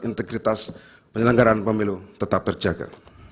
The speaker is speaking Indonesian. integritas penyelenggaraan pemilu tetap terjaga